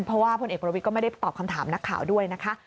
เพราะว่าพลเอกประวิทย์ก็ไม่ได้ตอบคำถามนักข่าวด้วยนะคะ